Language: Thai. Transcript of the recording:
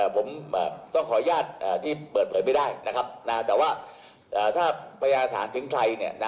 ผมต้องขออนุญาตที่เปิดไม่ได้แต่ว่าถ้าประหยาฐานถึงใคร